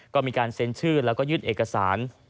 ก็มีการเซ็นชื่อแล้วก็ยื่นเอกสาร